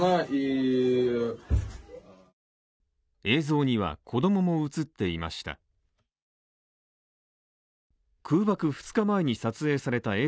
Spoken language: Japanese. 映像には、子供も映っていました。